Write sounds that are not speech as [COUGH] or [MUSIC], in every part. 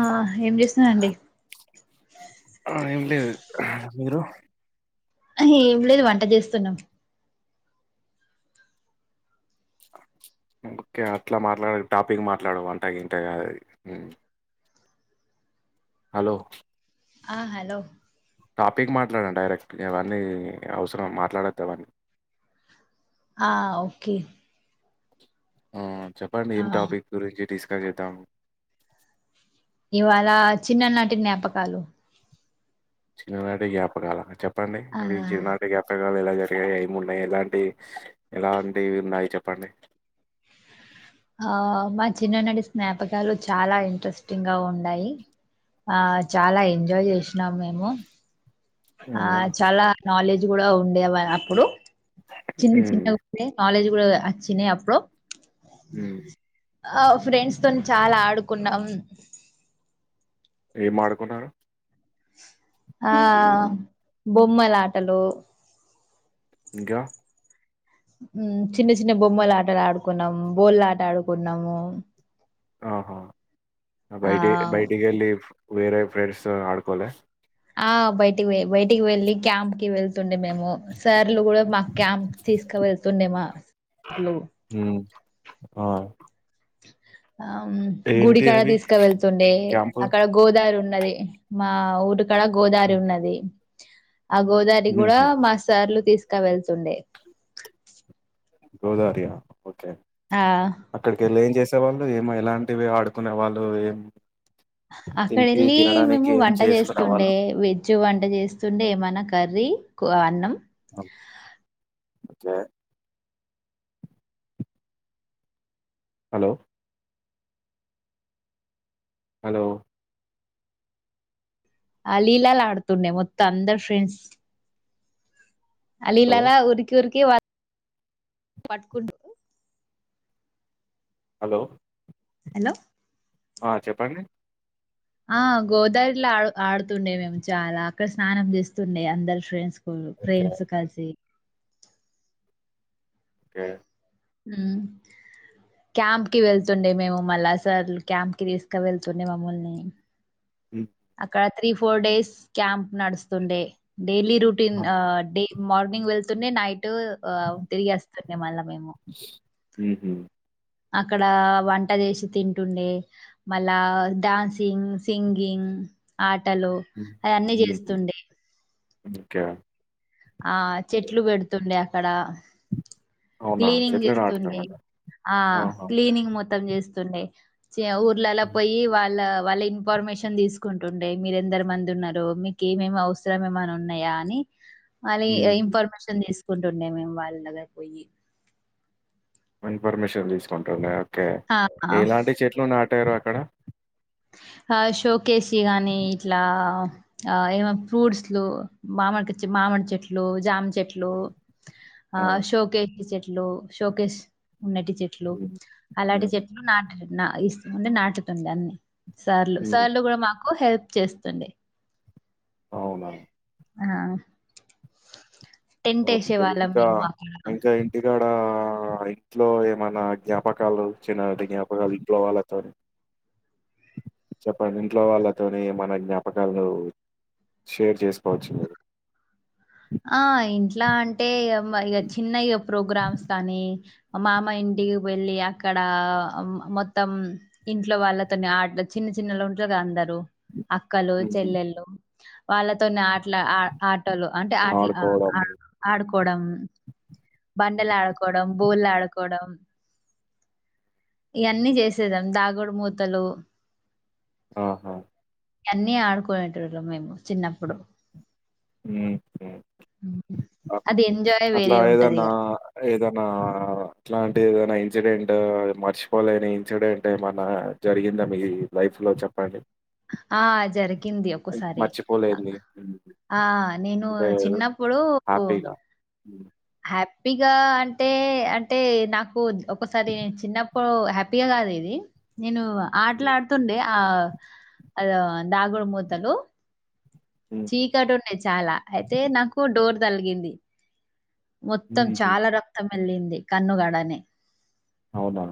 ఆ ఏం చేస్తున్నా అండి ఆ ఏం లేదు మీరు అ ఏం లేదు వంట చేస్తున్నాం ఓకే అట్లా మాట్లాడ టాపిక్ మాట్లాడవు వంట ఇంటగా ఉమ్ హలో ఆ హలో టాపిక్ మాట్లాడన్ డి డైరెక్ట్ ఇవన్నీ అవసరం మాట్లాడద్ అవన్నీ ఆ ఓకే ఆ చెప్పండి ఆ ఏం టాపిక్ గురించి డిస్కస్ చేద్దాం ఇవాళ చిన్ననాటి జ్ఞాపకాలు చిన్ననాటి జ్ఞపకాల చెప్పండి ఆ మీ చినాటి గాప్ క లు ఎలా జరిగాయి ఏమి ఉన్నాయి ఎలాంటి ఎలాంటివి ఉన్నాయి చెప్పండి ఆ మా చిన్ననాటి స్నాపకాలు చాలా ఇంట్రెస్టింగ్ గా ఉన్ డాయ్ ఆ చాలా ఎంజాయ్ చేసినాం మేము ఆ అవునా చాలా నాలెడ్జ్ కూడా ఉండే అప్పుడు చిన్న ఉమ్ చిన్నగా ఉండే నాలెడ్జ్ [UNINTELLIGIBLE] అచ్చినయ్ అప్పుడు ఉమ్ అవ్ ఫ్రెండ్స్ తోని చాలా ఆడుకున్నాం ఏం ఆడుకున్నారు ఆ బొమ్మలా ఆటలు ఇంకా హ్మ్ చిన్న చిన్న బొమ్మలు ఆటలు ఆడుకున్నాము బోల్ ఆట ఆడుకున్నాము ఆహా ఆ బయటి బయటికిలి వేరే ఫ్రెండ్స్ తొ ఆడుకోలే ఆ బయటికి పోయి బయటికి వెళ్ళి క్యాంప్ వెళ్తుండే మేము సార్లు కూడా మాకు క్యాంప్ తీసుక వెళ్తుండే మా లు ఉమ్ ఆ అం ఏంటి గుడికాడ అవి తీసుక వెళ్తుండే క్యాంపు అక్కడ గోదారి ఉన్నది మా ఊరు క్కడ గోదారి ఉన్నది ఆ గోదారి కూడా ఉహు మా సార్లు తీసు కవెళ్తుండే గోదావరియా ఓకే అక్కడికి వెళ్ళి ఏం చేసేవాళ్ళు ఏమో ఎలాంటివి ఆడుకునే వాళ్ళు ఏం అక్కడ తింటి వెళ్ళి తినడానికి మేము ఏం వంట చేసుకునే చేస్తుండే వాళ్ళు వెజ్ వంట చేస్తు స్తుండే ఏమైన్నా కర్రీ కు అన్నం అ ఒకే హలో హలో అ లీలల్లో ఆడుతుండే మొత్తం అందరు ఫ్రెండ్స్ అ హలో లీలల్లో ఉరికి ఉరుకి పట్కుంట హలో హలో ఆ చెప్పండి ఆ గోదారిలో ఆ ఆడుతుండే మేము చాలా అక్కడ స్నానం చేస్తుండే అందలు ఫ్రెండ్స్ ఉమ్ ఓకే ఫ్రెండ్స్ కలిసి ఓకే ఉమ్ క్యాంప్ కి వెళ్తుండే మేము మళ్ళా సార్లు క్యాంప్ కి తీసుక వెళ్తుండే మమ్మల్ని మ్మ్ అక్కడ త్రీ ఫోర్ డేస్ క్యాంప్ నడుస్తుండే డైలీ రుటీన్ ఆ డైలీ మార్నింగ్ వెళ్తుండే నైట్ ఆ తిరిగిస్తుండే మళ్ళా మేము ఉమ్ హ్మ్ అక్కడ వంట చేసి తింటుండే మళ్ళా డ్యాన్సింగ్ సింగింగ్ ఆటలు అయన్నీ మ్మ్ చేస్తుండే ఓకే ఆ చెట్లు పెడుతుండే అక్కడ అవునా క్లీనింగ్ చెట్లు చేస్తుండే నాటుతున్నారా ఆ ఆహా క్లీనింగ్ మొత్త త్తం చేస్తుండే చి ఊర్లలా పోయి వాళ్ళ వాళ్ళ ఇన్ఫర్మేషన్ తీసుకుం టుండే మిరు ఎందరు మంది ఉన్నారు మీకు ఏమేమి అవసరం ఏమనా ఉన్నాయా అని మళ్ళీ మ్మ్ ఇన్ఫర్మేషన్ తీసుకుంటుండే మేము వాళ్ళ దగ్గర పోయి ఇన్పర్మిషన్ తీసుకుంటుండే ఓకే ఆ ఆ. ఎలాంటి చెట్లు నాటారు అక్కడ ఆ షోకేసి గాని ఇట్లా ఆ ఏమ ఫ్రూట్స్లు మామడికిచ్చి మా మామిడి చెట్లు జామ్ చెట్లు ఆ శోకష్ చెట్లు శోకష్ ఉన్నటి చెట్లు మ్మ్ అలాంటి మ్మ్ చెట్లు నాటు నా ఇస్తు ఉ నాటుతుండే అన్ని సార్లు మ్మ్ సార్లు కూడా మాకు హెల్ప్ చేస్తుండే అవునా ఆ టెంట్ వేసే ఓకే వాళ్ళం ఇంకా, మేము అక్కడ ఇంకా ఇంటికాడా ఆ ఇంట్లో ఏమన్నా జ్ఞాపకాలు చిన్ననాటి జ్ఞాపకాలు ఇంట్లో వాళ్ళతోని చెప్పండి ఇంట్లో వాళ్ళతోని ఏమన జ్ఞాపకాలు షేర్ జేసుకోవచ్చు మీరు ఆ ఇంట్ల అంటే ఇగ మ చిన్నయిగ ప్రోగ్రామ్స్ అనీ మామ ఇంటికి వెళ్ళి అక్కడా ఉమ్ మ్ మొత్తం, ఇంట్లో వాళ్ళతోని ఆట చిన్న చిన్నోళ్ళు ఉంటరుగ అందరు అక్కలు, హ్మ్. చెల్లెళ్ళు వాళ్ళతోని ఆట్ల ఆ ఆటలు అంటే ట్ల ఆ ఆడుకోవడం. ఆ ఆడుకోవడం, బండలాడుకోవడం బోళ్ళాడుకోవడం ఇగన్నీ జేసేది దాగుడు మూతలు ఆహా యన్నీ ఆడుకునేటోల్లం మేము చిన్నప్పుడు. హ్మ్. హ్మ్. అది ఎంజాయే వేరే ఉంట్ నా ఏదన్నా అట్లాంటి ఏదైనా ఇన్సిడెంట్ మర్చిపోలేని ఇన్సిడెంటేమన్నా జరిగిందా మీ లైఫ్ లో చెప్పండి ఆ జరిగింది ఒకసారి మర్చిపోలేనిది. హ్మ్. ఆ నేనూ అంటే చిన్నప్పుడు హ్యాపీగా. హ్మ్. హ్యాపీగా అంటే అంటే నాకు ఒకసారి చిన్నప్ ప్పుడు హ్యాపీగా గాదు ఇదీ, నేను హ్మ్. ఆటలాడుతుండే ఆ అదే దాగుడు మూతలు హ్మ్. చీకటి ఉండే చాలా, అయితే నాకు డోర్ తలిగింది. మొత్తం హుహు. చాలా రక్తం వెళ్ళింది కన్నుగాడనె అవునా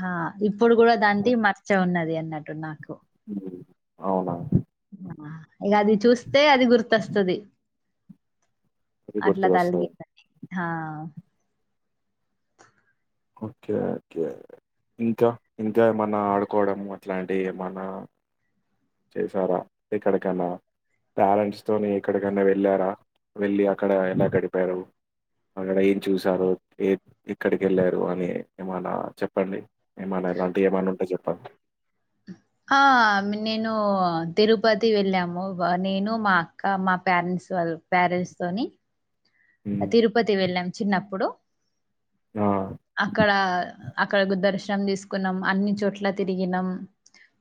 హా ఇప్పుడు గూడ దాంది మచ్చ ఉన్నది అన్నట్టు నాకు. హ్మ్ అవునా ఆ ఇగ అది చూస్తే అది గుర్తొస్తది. అది గుర్తుకొస్తదా హా ఓకే ఓకే ఇంకా ఇంక ఏమన్నా ఆడుకోవడం అట్లాంటియేమన్నా చేసారా, ఎక్కడికన్నా? టాలెంట్స్ తోని ఎక్కడికన్నా వెళ్ళారా? వెళ్ళి అక్కడ ఎలా గడిపారు? అక్కడ ఏం చూసారో, ఏ ఎక్కడికెళ్ళారో అన్ని ఏమన్న చెప్పండి ఏమన్ అలాంటయేమన్న ఉంటే జెప్పండి అ ఆ మ్ నేను తిరుపతి వెళ్ళాము, వ నేను మా అక్క, మా పారెంట్స్ ట్స్ వాళ్ళు పారెంట్స్ తోని హ్మ్. తిరుపతి వెళ్ళాం చిన్నప్పుడు, ఆ! అక్కడా అక్కడ గ్ దర్శన్ దీసుకున్నాం అన్ని చోట్ల తిరిగినం.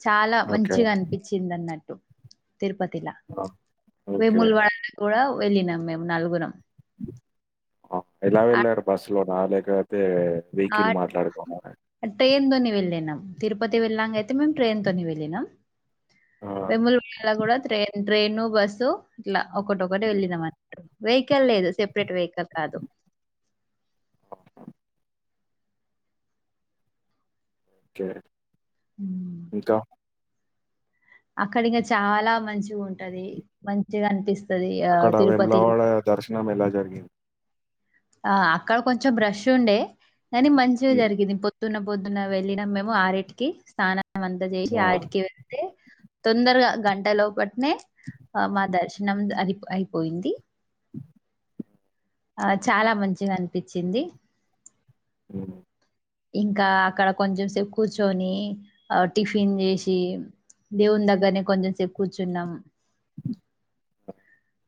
చాలా ఓకే. మంచిగన్ పిచ్చిందన్నట్ తిరుపతిలా, ఆ! ఓకే. వేముూల్ వాడ కూడా వెళ్ళినం మేం నలుగురం అ ఎలా ఆహ్, వెళ్లారు బస్సు లోనా? లేకతే వెహికల్ మాట్లాడుకోనా? నె వెళ్ళినం తిరుపతి వెళ్ళాంగా అయితే మేం ట్రైన్ తోని వెల్లినం ఆ! వెముల్వాడ గూడ ట్రైన్ ట్రైను, బస్సు ఇట్లా ఒకటొకటి వెళ్లినమన్నట్టు, వెహికల్ లేదు సెపరేట్ వెహికల్ కాదు. ఓకే ఇంకా అక్కడింక చాలా మంచిగుంటది మంచిగనిపిస్ అక్కడ వెములవాడ దర్శనం ఎలా జరిగింది ఆ అక్కడ కొంచెం న్ రష్ ఉండే కానీ మంచిగా హ్మ్. జరిగింది పొద్దున్న పొద్దున వెళ్ళిన మేము ఆరిటికి స్నానం అందజేసి ఆ! ఆరిటికి వెళ్తే తొందరగా గంట లోపట్నే ఆ మా దర్శనం అది అయిపోయింది ఆ చాలా మంచిగా అనిపించింది ఓ ఇంకా అక్కడ కొంచెం సేపు కూర్చొని ఆ టిఫిన్ చేసి దేవుని దగ్గరనే కొంచెం సేపు కూర్చున్నాము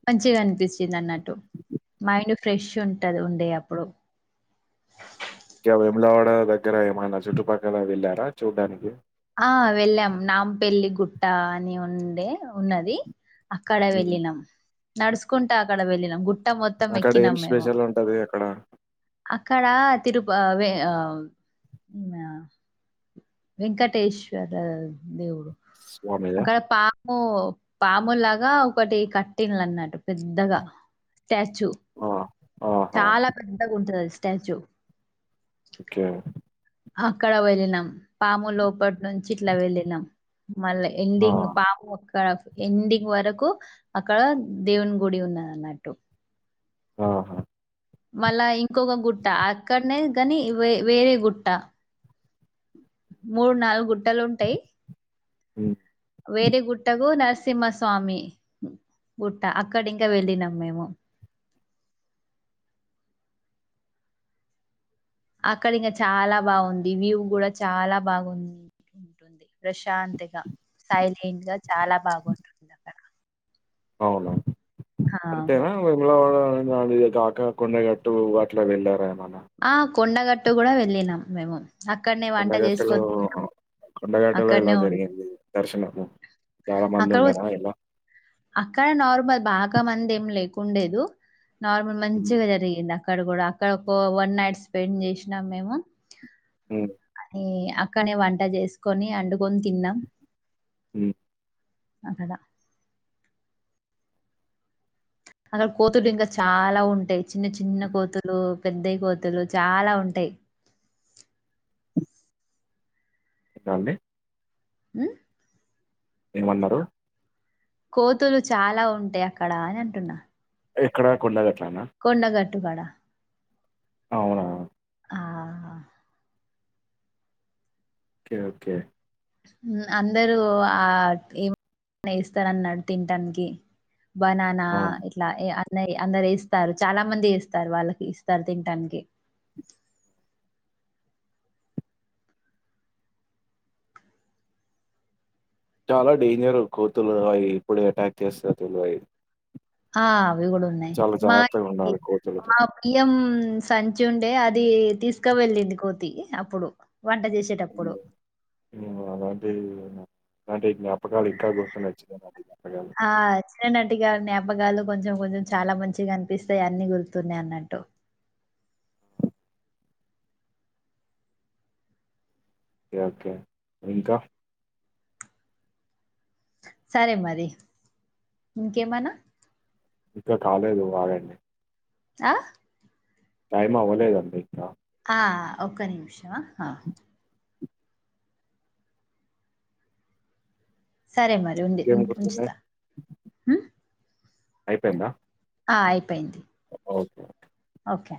మంచిగా అనిపించింది అన్నట్టు మైండ్ ఫ్రెష్ ఉంటది ఉండే అప్పుడు బోళ్ల సౌండ్ ఇంక వేములవాడ దగ్గర ఏమైనా చుట్టుపక్కల వెళ్ళారా చూడ్డానికి ఆ వెళ్ళాం నాంపెల్లి గుట్ట అని ఉండే ఉన్నది అక్కడ హ్మ్. వెళ్ళినం నడుచకుంట అక్కడ వెళ్ళినాం గుట్ట మొత్తం అక్కడ ఏం ఎక్కినాం మేము స్పెషల్ ఉంటది అక్కడ? అక్కడ వెంకటేశ్వర దేవుడు స్వామిదా? అక్కడ పాములాగా ఒకటి కట్టిన్లు అన్నట్టు పెద్దగా స్టాచ్యూ ఆ! ఆహా! చాలా పెద్దద్దగా ఉంటుంది అది స్టాచ్యూ ఓకే అక్కడ వెళ్ళినాం పాము లోపటి నుంచి ఇట్లా వెళ్ళినాం మళ్ళా ఆ! ఎండింగ్ పాము అక్కడ ఎండింగ్ వరకు అక్కడ దేవుని గుడి ఉన్నది అన్నట్టు ఆహా మళ్ళా ఇంకొక గుట్ట అక్కడనే కానీ వే వేరే గుట్ట మూడు నాలుగు గుట్టలు ఉంటాయి ఉ వేరే గుట్టకు నరసింహస్వామి గుట్ట అక్కడ ఇంకా వెళ్ళినం మేము ట్రావెల్స్ సౌండ్ అక్కడ ఇంకా చాలా బాగుంది వ్యూ కూడా చాలా బాగుంది ఉంటుంది ప్రశాంతిగా సైలెంట్ గా చాలా బాగుంటుంది అక్కడ అవునవును ఆ! అంతేనా వేములవాడ కాక కొండగట్టు అట్లా వెళ్లారా ఏమన్నా ఆ! కొండగట్టు కూడా వెళ్ళినం మేము అక్కడనే వంట చేసుకుని తిన్నాం కొండగటలో ఇలా జరిగింది దర్శనము చాలా మంది అక్కడ గూడా ఉండేనా ఎలా అక్కడ నార్మల్ బాగా మంది ఏం లేకుండేదు నార్మల్ హ్మ్. మంచిగా జరిగింది అక్కడ అక్కడ కూడా అక్కడ ఒక వన్ నైట్ స్పెండ్ చేసినాం మేము హ్మ్. అని అక్కనే వంట చేసుకొని వండుకొని తిన్నాం ఉ అక్కడ అ అక్కడ కోతులు ఇంకా చాలా ఉంటాయి చిన్న చిన్న కోతులు పెద్దవి కోతులు చాలా ఉంటాయి పక్షుల సౌండ్ ఎంట అండి ఉ ఏమన్నారు కోతులు చాలా ఉంటాయి అక్కడ అని అంటున్నా ఎక్కడ కొండగట్ట లా కొండగటుకాడ అవునా ఓకే ఓకే అందరూ ఆ ఏస్తాన్నాడు తింటానికి బనానా ఆ! ఇట్లా ఇగ అందరు ఇస్తారు చాలా మంది ఇస్తారు వాళ్ళకి ఇస్తారు తింటానికి చాలా డేంజరు కోతులు అయి ఎప్పుడు అటాక్ చేస్తాయో తెలువయి ఆ అవి కూడా ఉన్నాయి మా ఉండాలి కోతులతో మా బియం సంచి ఉండే అది తీసుకు వెెళ్ళింది కోతి అప్పుడు వంట చేసేటప్పుడు విన్నా అలాంటి విన్నాను నాటి జ్ఞాపకాలు ఇంకా గుర్తున్నాయి చిన్ననాటి జ్ఞాపకాలు ఆ చిన్న నాటి గా జ్ఞాపకాలు కొంచెం కొంచెం చాలా మంచిగా అనిపిస్తాయి అన్ని గుర్తున్నాయి అన్నట్టు ఓకే ఓకే ఇంకా సరే మరి ఇంకేమన ఇంకా కాలేదు అగండి అ టైం అవ్వలేదు అండి ఇంకా ఆ ఒక్క నిమిషం ఆ సరే మరి ఉంది ఉ ఇంకేం ఉంచుతా ఉమ్ అయిపోయింద ఆ అయిపోయింది ఓకేే ఓకే